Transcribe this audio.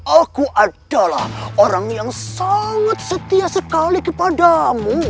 aku adalah orang yang sangat setia sekali kepadamu